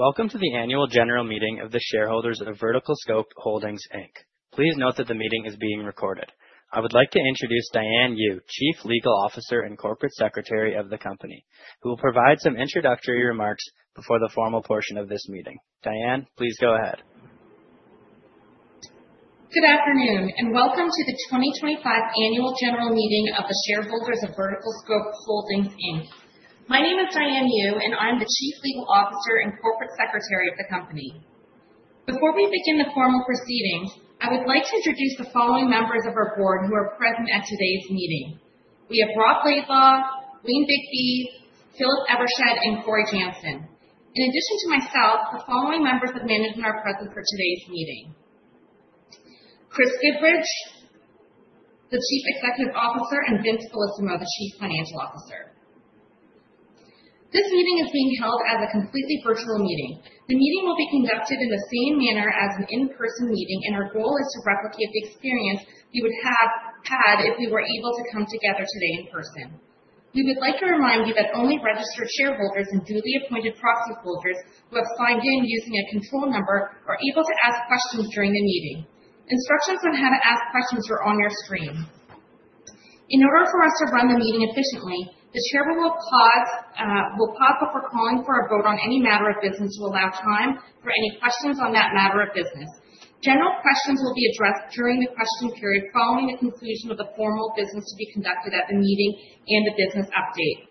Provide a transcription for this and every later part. Welcome to the annual general meeting of the shareholders of VerticalScope Holdings Inc. Please note that the meeting is being recorded. I would like to introduce Diane Yu, Chief Legal Officer and Corporate Secretary of the company, who will provide some introductory remarks before the formal portion of this meeting. Diane, please go ahead. Good afternoon, and welcome to the 2025 annual general meeting of the shareholders of VerticalScope Holdings Inc. My name is Diane Yu, and I'm the Chief Legal Officer and Corporate Secretary of the company. Before we begin the formal proceedings, I would like to introduce the following members of our board who are present at today's meeting. We have Rob Laidlaw, Wayne Bigby, Philip Evershed, and Cory Janssen. In addition to myself, the following members of management are present for today's meeting. Chris Goodridge, the Chief Executive Officer, and Vincenzo Bellissimo, the Chief Financial Officer. This meeting is being held as a completely virtual meeting. The meeting will be conducted in the same manner as an in-person meeting, and our goal is to replicate the experience you would have had if we were able to come together today in person. We would like to remind you that only registered shareholders and duly appointed proxy holders who have signed in using a control number are able to ask questions during the meeting. Instructions on how to ask questions are on your screen. In order for us to run the meeting efficiently, the chairman will pause before calling for a vote on any matter of business to allow time for any questions on that matter of business. General questions will be addressed during the question period following the conclusion of the formal business to be conducted at the meeting and the business update.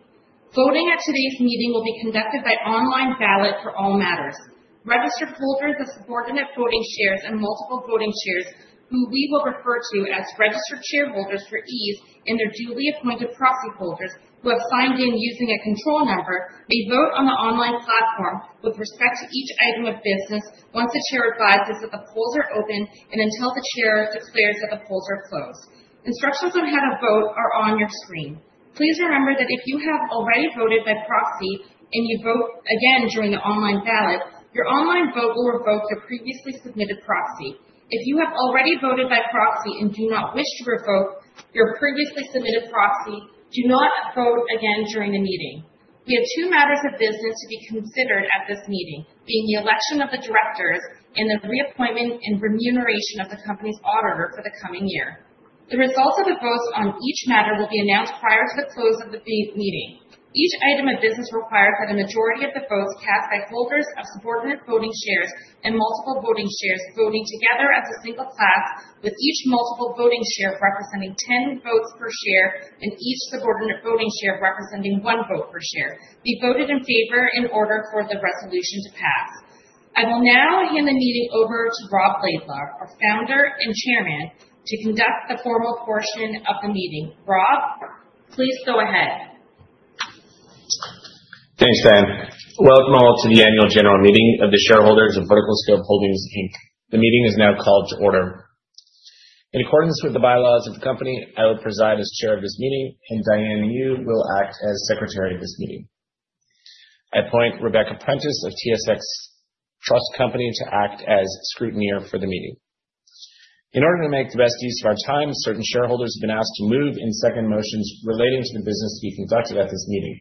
Voting at today's meeting will be conducted by online ballot for all matters. Registered holders of subordinate voting shares and multiple voting shares, who we will refer to as registered shareholders for ease, and their duly appointed proxy holders who have signed in using a control number, may vote on the online platform with respect to each item of business once the chair advises that the polls are open and until the chair declares that the polls are closed. Instructions on how to vote are on your screen. Please remember that if you have already voted by proxy and you vote again during the online ballot, your online vote will revoke your previously submitted proxy. If you have already voted by proxy and do not wish to revoke your previously submitted proxy, do not vote again during the meeting. We have two matters of business to be considered at this meeting, being the election of the directors and the reappointment and remuneration of the company's auditor for the coming year. The results of the votes on each matter will be announced prior to the close of the meeting. Each item of business requires a majority of the votes cast by holders of subordinate voting shares and multiple voting shares, voting together as a single class, with each multiple voting share representing 10 votes per share and each subordinate voting share representing one vote per share, to be voted in favor in order for the resolution to pass. I will now hand the meeting over to Rob Laidlaw, our Founder and Chairman, to conduct the formal portion of the meeting. Rob, please go ahead. Thanks, Diane. Welcome all to the Annual General Meeting of the shareholders of VerticalScope Holdings Inc. The meeting is now called to order. In accordance with the bylaws of the company, I will preside as chair of this meeting, and Diane Yu will act as secretary of this meeting. I appoint Rebecca Prentice of TSX Trust Company to act as scrutineer for the meeting. In order to make the best use of our time, certain shareholders have been asked to move and second motions relating to the business to be conducted at this meeting.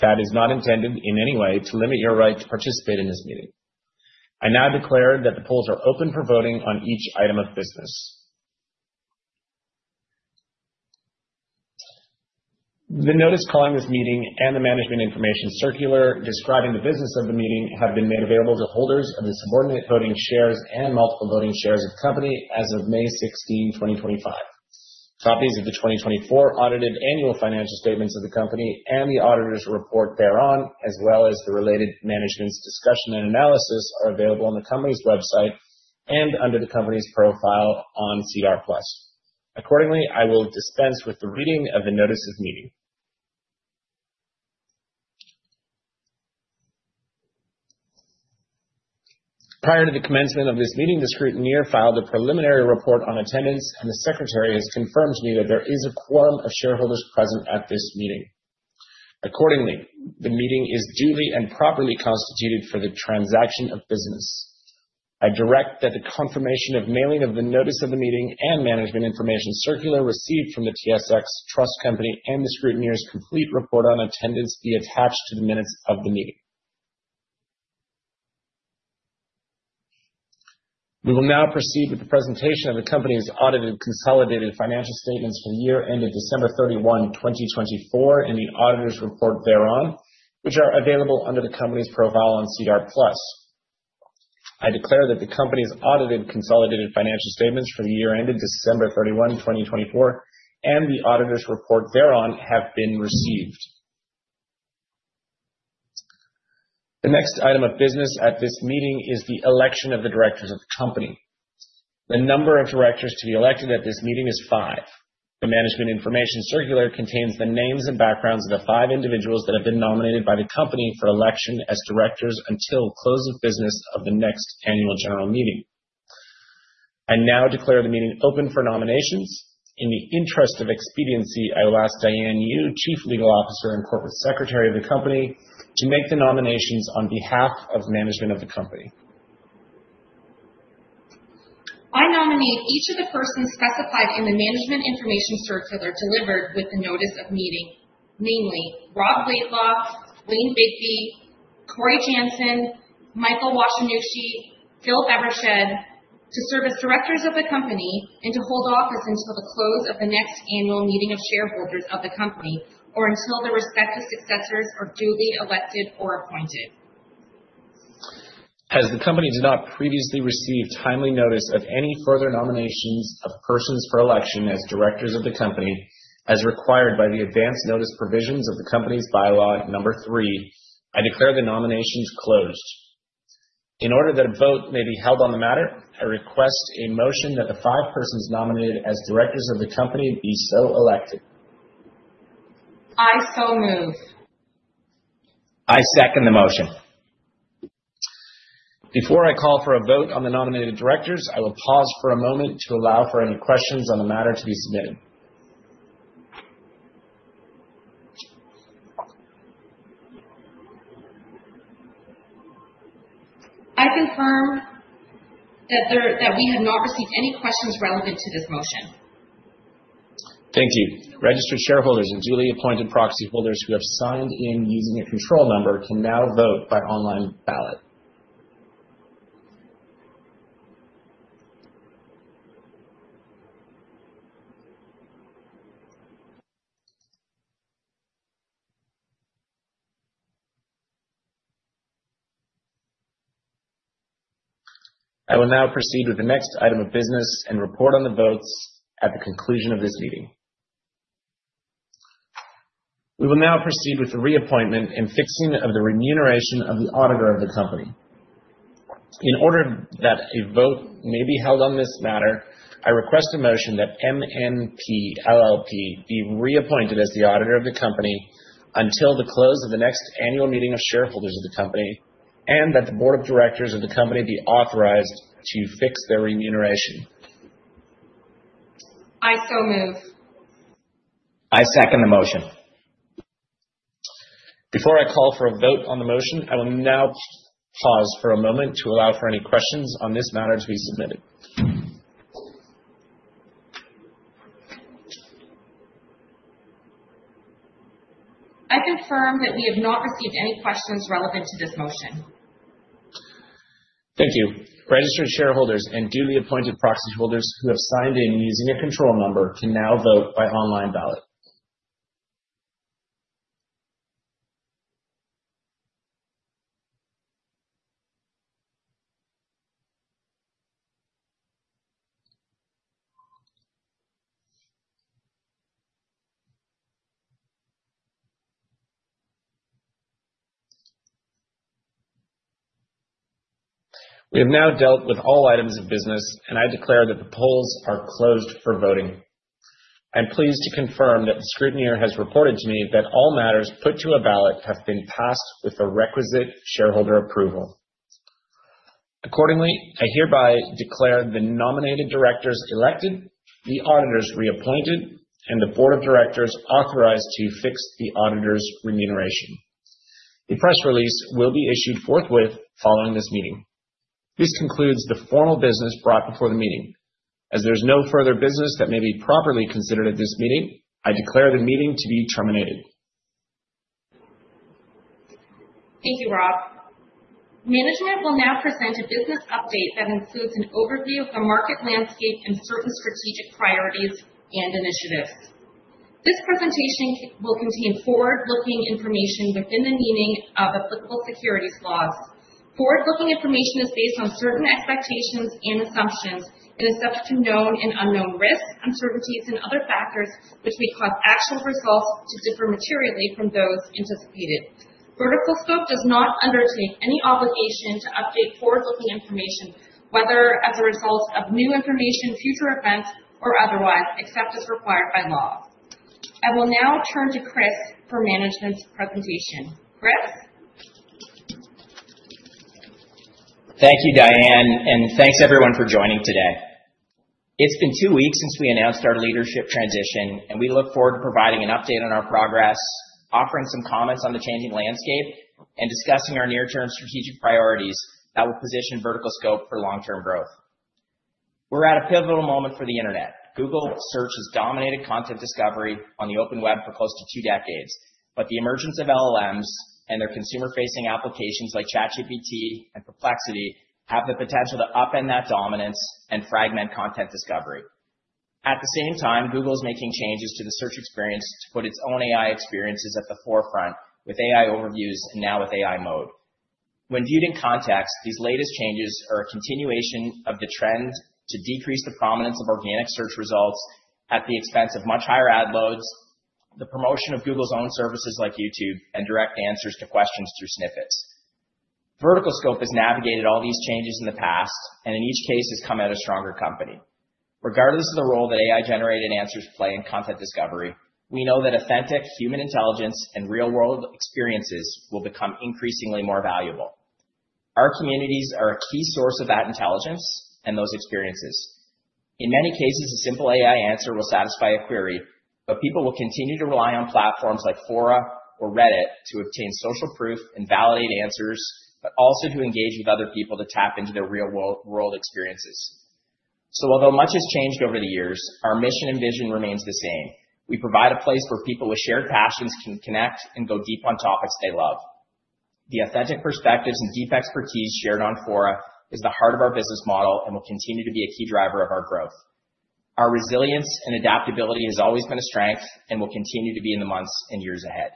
That is not intended in any way to limit your right to participate in this meeting. I now declare that the polls are open for voting on each item of business. The notice calling this meeting and the management information circular describing the business of the meeting have been made available to holders of the subordinate voting shares and multiple voting shares of the company as of May 16, 2025. Copies of the 2024 audited annual financial statements of the company and the auditor's report thereon, as well as the related management's discussion and analysis, are available on the company's website and under the company's profile on SEDAR+. Accordingly, I will dispense with the reading of the notice of meeting. Prior to the commencement of this meeting, the scrutineer filed a preliminary report on attendance, and the secretary has confirmed to me that there is a quorum of shareholders present at this meeting. Accordingly, the meeting is duly and properly constituted for the transaction of business. I direct that the confirmation of mailing of the notice of the meeting and management information circular received from the TSX Trust Company and the scrutineer's complete report on attendance be attached to the minutes of the meeting. We will now proceed with the presentation of the company's audited consolidated financial statements for the year ended December 31, 2024, and the auditor's report thereon, which are available under the company's profile on SEDAR+. I declare that the company's audited consolidated financial statements for the year ended December 31, 2024, and the auditor's report thereon have been received. The next item of business at this meeting is the election of the directors of the company. The number of directors to be elected at this meeting is five. The management information circular contains the names and backgrounds of the five individuals that have been nominated by the company for election as directors until close of business of the next annual general meeting. I now declare the meeting open for nominations. In the interest of expediency, I will ask Diane Yu, Chief Legal Officer and Corporate Secretary of the company, to make the nominations on behalf of management of the company. I nominate each of the persons specified in the management information circular delivered with the notice of meeting, namely Rob Laidlaw, Wayne Bigby, Cory Janssen, Michael Washinushi, Philip Evershed, to serve as directors of the company and to hold office until the close of the next annual meeting of shareholders of the company, or until their respective successors are duly elected or appointed. As the company did not previously receive timely notice of any further nominations of persons for election as directors of the company, as required by the advance notice provisions of the company's bylaw number three, I declare the nominations closed. In order that a vote may be held on the matter, I request a motion that the five persons nominated as directors of the company be so elected. I so move. I second the motion. Before I call for a vote on the nominated directors, I will pause for a moment to allow for any questions on the matter to be submitted. I confirm that we have not received any questions relevant to this motion. Thank you. Registered shareholders and duly appointed proxy holders who have signed in using a control number can now vote by online ballot. I will now proceed with the next item of business and report on the votes at the conclusion of this meeting. We will now proceed with the reappointment and fixing of the remuneration of the auditor of the company. In order that a vote may be held on this matter, I request a motion that MNP LLP be reappointed as the auditor of the company until the close of the next annual meeting of shareholders of the company, and that the board of directors of the company be authorized to fix their remuneration. I so move. I second the motion. Before I call for a vote on the motion, I will now pause for a moment to allow for any questions on this matter to be submitted. I confirm that we have not received any questions relevant to this motion. Thank you. Registered shareholders and duly appointed proxy holders who have signed in using a control number can now vote by online ballot. We have now dealt with all items of business, and I declare that the polls are closed for voting. I'm pleased to confirm that the scrutineer has reported to me that all matters put to a ballot have been passed with the requisite shareholder approval. Accordingly, I hereby declare the nominated directors elected, the auditors reappointed, and the Board of Directors authorized to fix the auditors' remuneration. The press release will be issued forthwith following this meeting. This concludes the formal business brought before the meeting. As there's no further business that may be properly considered at this meeting, I declare the meeting to be terminated. Thank you, Rob. Management will now present a business update that includes an overview of the market landscape and certain strategic priorities and initiatives. This presentation will contain forward-looking information within the meaning of applicable securities laws. Forward-looking information is based on certain expectations and assumptions and is subject to known and unknown risks, uncertainties and other factors which may cause actual results to differ materially from those anticipated. VerticalScope does not undertake any obligation to update forward-looking information, whether as a result of new information, future events, or otherwise, except as required by law. I will now turn to Chris for management's presentation. Chris? Thank you, Diane, and thanks, everyone, for joining today. It's been two weeks since we announced our leadership transition, and we look forward to providing an update on our progress, offering some comments on the changing landscape, and discussing our near-term strategic priorities that will position VerticalScope for long-term growth. We're at a pivotal moment for the internet. Google search has dominated content discovery on the open web for close to two decades, but the emergence of LLMs and their consumer-facing applications like ChatGPT and Perplexity have the potential to upend that dominance and fragment content discovery. At the same time, Google's making changes to the search experience to put its own AI experiences at the forefront with AI Overviews and now with AI Mode. When viewed in context, these latest changes are a continuation of the trend to decrease the prominence of organic search results at the expense of much higher ad loads, the promotion of Google's own services like YouTube, and direct answers to questions through snippets. VerticalScope has navigated all these changes in the past and in each case has come out a stronger company. Regardless of the role that AI-generated answers play in content discovery, we know that authentic human intelligence and real-world experiences will become increasingly more valuable. Our communities are a key source of that intelligence and those experiences. In many cases, a simple AI answer will satisfy a query, but people will continue to rely on platforms like Fora or Reddit to obtain social proof and validate answers, but also to engage with other people to tap into their real-world experiences. Although much has changed over the years, our mission and vision remains the same. We provide a place where people with shared passions can connect and go deep on topics they love. The authentic perspectives and deep expertise shared on Fora is the heart of our business model and will continue to be a key driver of our growth. Our resilience and adaptability has always been a strength and will continue to be in the months and years ahead.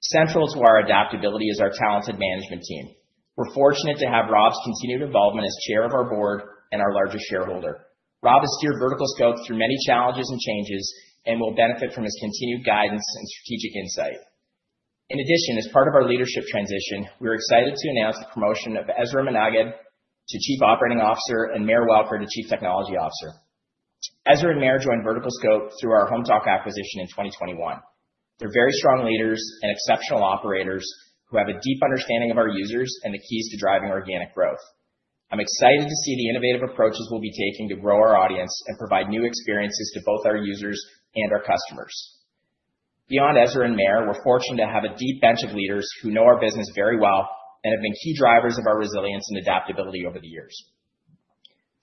Central to our adaptability is our talented management team. We're fortunate to have Rob's continued involvement as chair of our board and our largest shareholder. Rob has steered VerticalScope through many challenges and changes and will benefit from his continued guidance and strategic insight. In addition, as part of our leadership transition, we're excited to announce the promotion of Ezra Menaged to Chief Operating Officer and Meir Wohlfarth to Chief Technology Officer. Ezra and Meir joined VerticalScope through our Hometalk acquisition in 2021. They're very strong leaders and exceptional operators who have a deep understanding of our users and the keys to driving organic growth. I'm excited to see the innovative approaches we'll be taking to grow our audience and provide new experiences to both our users and our customers. Beyond Ezra and Meir, we're fortunate to have a deep bench of leaders who know our business very well and have been key drivers of our resilience and adaptability over the years.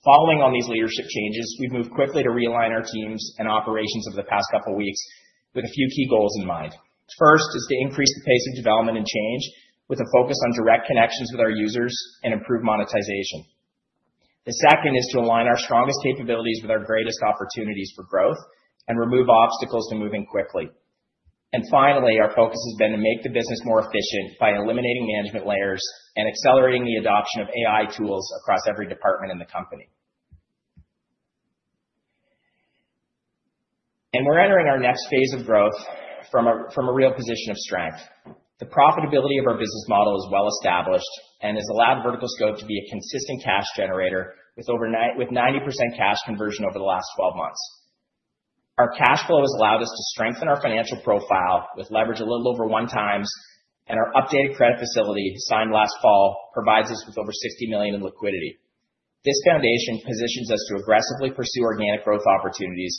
Following on these leadership changes, we've moved quickly to realign our teams and operations over the past couple of weeks with a few key goals in mind. First is to increase the pace of development and change with a focus on direct connections with our users and improve monetization. The second is to align our strongest capabilities with our greatest opportunities for growth and remove obstacles to moving quickly. Finally, our focus has been to make the business more efficient by eliminating management layers and accelerating the adoption of AI tools across every department in the company. We're entering our next phase of growth from a real position of strength. The profitability of our business model is well established and has allowed VerticalScope to be a consistent cash generator with 90% cash conversion over the last 12 months. Our cash flow has allowed us to strengthen our financial profile with leverage a little over one times, and our updated credit facility, signed last fall, provides us with over 60 million in liquidity. This foundation positions us to aggressively pursue organic growth opportunities,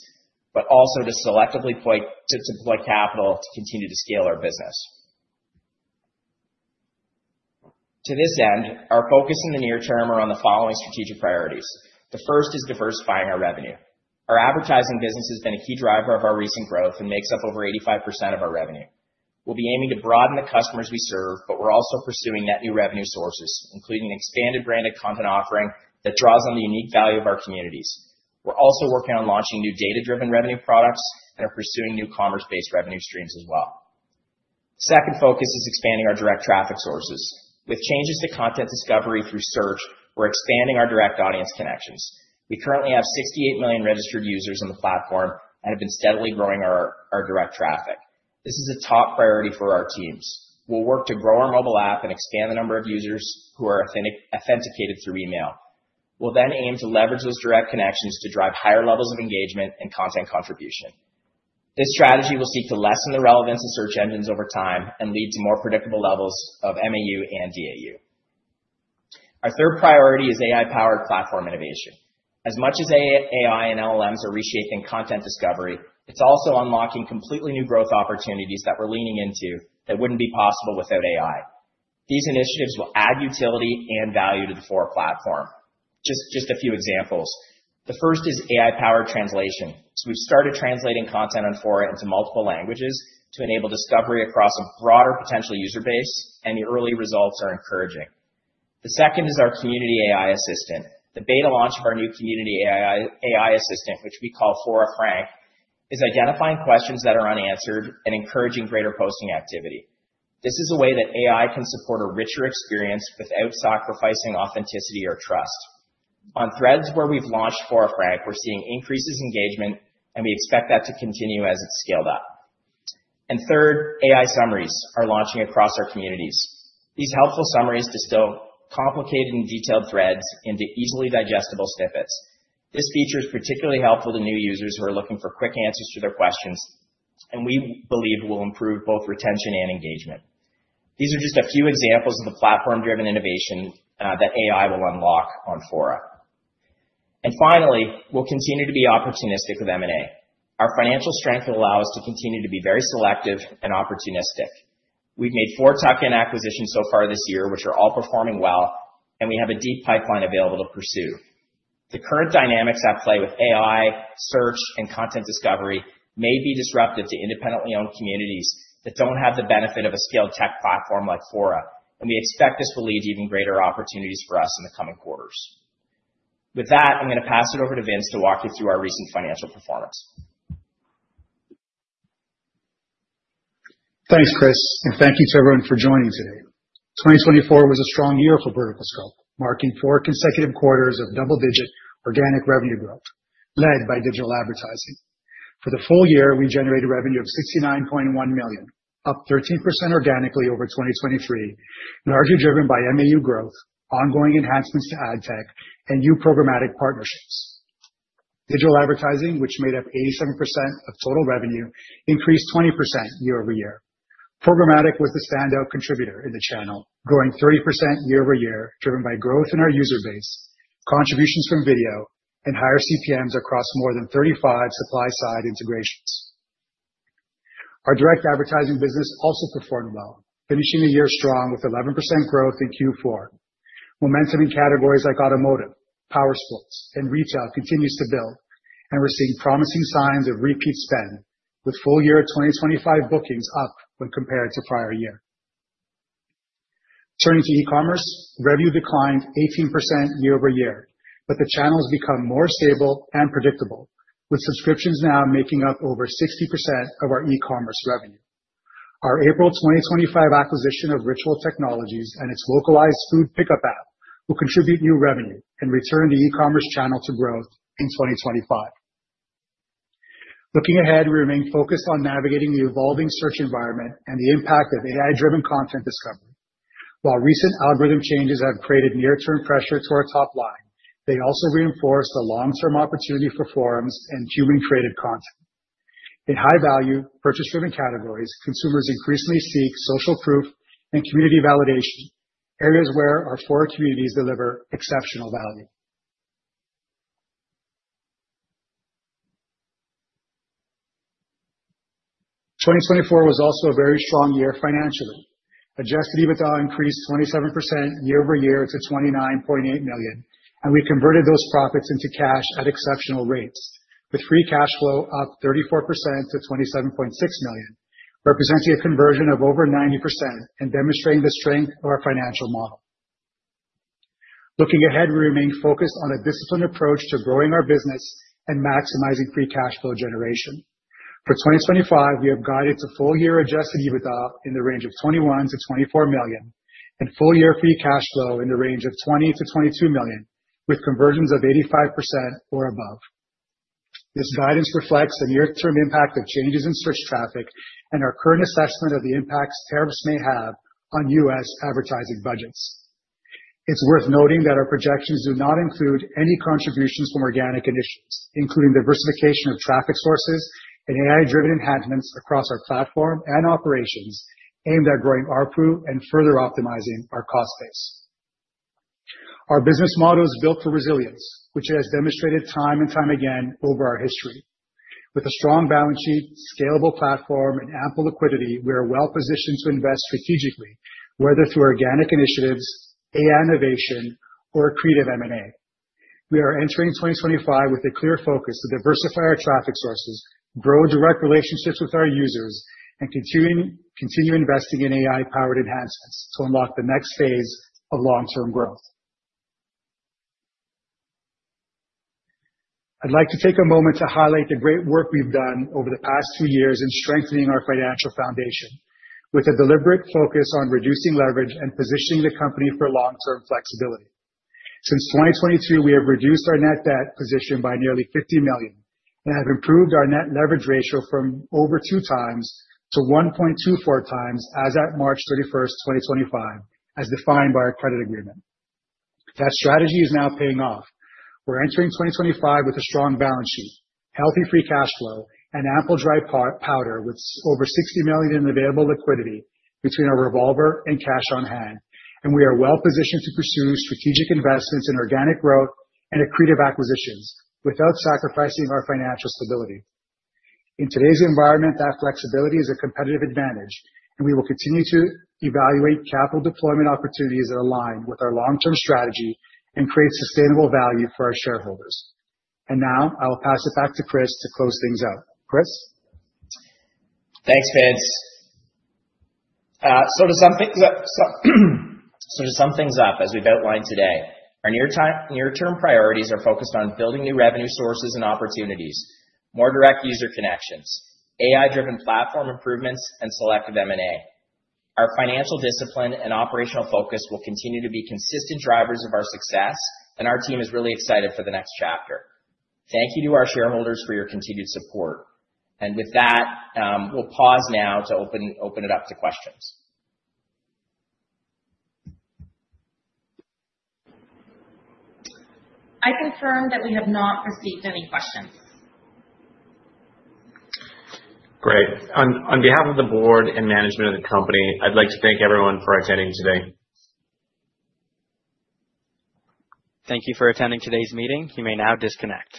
but also to selectively deploy capital to continue to scale our business. To this end, our focus in the near term are on the following strategic priorities. The first is diversifying our revenue. Our advertising business has been a key driver of our recent growth and makes up over 85% of our revenue. We'll be aiming to broaden the customers we serve, but we're also pursuing net new revenue sources, including an expanded branded content offering that draws on the unique value of our communities. We're also working on launching new data-driven revenue products and are pursuing new commerce-based revenue streams as well. Second focus is expanding our direct traffic sources. With changes to content discovery through search, we're expanding our direct audience connections. We currently have 68 million registered users on the platform and have been steadily growing our direct traffic. This is a top priority for our teams. We'll work to grow our mobile app and expand the number of users who are authenticated through email. We'll then aim to leverage those direct connections to drive higher levels of engagement and content contribution. This strategy will seek to lessen the relevance of search engines over time and lead to more predictable levels of MAU and DAU. Our third priority is AI-powered platform innovation. As much as AI and LLMs are reshaping content discovery, it's also unlocking completely new growth opportunities that we're leaning into that wouldn't be possible without AI. These initiatives will add utility and value to the Fora platform. Just a few examples. The first is AI-powered translation. We've started translating content on Fora into multiple languages to enable discovery across a broader potential user base, and the early results are encouraging. The second is our community AI assistant. The beta launch of our new community AI assistant, which we call ForaFrank, is identifying questions that are unanswered and encouraging greater posting activity. This is a way that AI can support a richer experience without sacrificing authenticity or trust. On threads where we've launched Fora Frank, we're seeing increased engagement, and we expect that to continue as it's scaled up. Third, AI summaries are launching across our communities. These helpful summaries distill complicated and detailed threads into easily digestible snippets. This feature is particularly helpful to new users who are looking for quick answers to their questions, and we believe will improve both retention and engagement. These are just a few examples of the platform-driven innovation that AI will unlock on Fora. Finally, we'll continue to be opportunistic with M&A. Our financial strength will allow us to continue to be very selective and opportunistic. We've made four tuck-in acquisitions so far this year, which are all performing well, and we have a deep pipeline available to pursue. The current dynamics at play with AI, search, and content discovery may be disruptive to independently owned communities that don't have the benefit of a scaled tech platform like Fora, and we expect this will lead to even greater opportunities for us in the coming quarters. With that, I'm going to pass it over to Vince to walk you through our recent financial performance. Thanks, Chris, and thank you to everyone for joining today. 2024 was a strong year for VerticalScope, marking four consecutive quarters of double-digit organic revenue growth led by digital advertising. For the full year, we generated revenue of 69.1 million, up 13% organically over 2023, largely driven by MAU growth, ongoing enhancements to ad tech, and new programmatic partnerships. Digital advertising, which made up 87% of total revenue, increased 20% year-over-year. Programmatic was the standout contributor in the channel, growing 30% year-over-year, driven by growth in our user base, contributions from video, and higher CPMs across more than 35 supply-side integrations. Our direct advertising business also performed well, finishing the year strong with 11% growth in Q4. Momentum in categories like automotive, power sports, and retail continues to build, and we're seeing promising signs of repeat spend, with full year 2025 bookings up when compared to prior year. Turning to e-commerce, revenue declined 18% year-over-year, but the channel's become more stable and predictable, with subscriptions now making up over 60% of our e-commerce revenue. Our April 2025 acquisition of Ritual Technologies and its localized food pickup app will contribute new revenue and return the e-commerce channel to growth in 2025. Looking ahead, we remain focused on navigating the evolving search environment and the impact of AI-driven content discovery. While recent algorithm changes have created near-term pressure to our top line, they also reinforce the long-term opportunity for forums and human-created content. In high-value, purchase-driven categories, consumers increasingly seek social proof and community validation, areas where our four communities deliver exceptional value. 2024 was also a very strong year financially. Adjusted EBITDA increased 27% year-over-year to 29.8 million, and we converted those profits into cash at exceptional rates, with free cash flow up 34% to 27.6 million, representing a conversion of over 90% and demonstrating the strength of our financial model. Looking ahead, we remain focused on a disciplined approach to growing our business and maximizing free cash flow generation. For 2025, we have guided to full-year adjusted EBITDA in the range of 21 million-24 million, and full-year free cash flow in the range of 20 million-22 million, with conversions of 85% or above. This guidance reflects the near-term impact of changes in search traffic and our current assessment of the impact of tariffs may have on U.S. advertising budgets. It's worth noting that our projections do not include any contributions from organic initiatives, including diversification of traffic sources and AI-driven enhancements across our platform and operations aimed at growing ARPU and further optimizing our cost base. Our business model is built for resilience, which it has demonstrated time and time again over our history. With a strong balance sheet, scalable platform, and ample liquidity, we are well positioned to invest strategically, whether through organic initiatives, AI innovation, or accretive M&A. We are entering 2025 with a clear focus to diversify our traffic sources, grow direct relationships with our users, and continue investing in AI-powered enhancements to unlock the next phase of long-term growth. I'd like to take a moment to highlight the great work we've done over the past two years in strengthening our financial foundation with a deliberate focus on reducing leverage and positioning the company for long-term flexibility. Since 2023, we have reduced our net debt position by nearly 50 million and have improved our net leverage ratio from over two times to 1.24 times as at March 31st, 2025, as defined by our credit agreement. That strategy is now paying off. We're entering 2025 with a strong balance sheet, healthy free cash flow, and ample dry powder, with over 60 million in available liquidity between our revolver and cash on hand. We are well positioned to pursue strategic investments in organic growth and accretive acquisitions without sacrificing our financial stability. In today's environment, that flexibility is a competitive advantage, and we will continue to evaluate capital deployment opportunities that align with our long-term strategy and create sustainable value for our shareholders. Now, I will pass it back to Chris to close things out. Chris? Thanks, Vince. To sum things up, as we've outlined today, our near-term priorities are focused on building new revenue sources and opportunities, more direct user connections, AI-driven platform improvements, and selective M&A. Our financial discipline and operational focus will continue to be consistent drivers of our success, and our team is really excited for the next chapter. Thank you to our shareholders for your continued support. With that, we'll pause now to open it up to questions. I confirm that we have not received any questions. Great. On behalf of the board and management of the company, I'd like to thank everyone for attending today. Thank you for attending today's meeting. You may now disconnect.